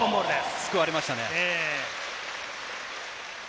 救われましたね。